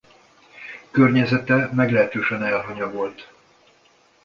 Környezete meglehetősen elhanyagolt.